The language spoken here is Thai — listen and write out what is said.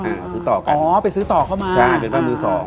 เอาซื้อต่อกันอ๋อไปซื้อต่อเข้ามาใช่เป็นบ้านมือสอง